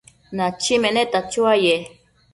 Nachi meneta chuaye